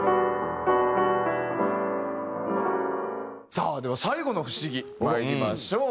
さあでは最後の不思議まいりましょう。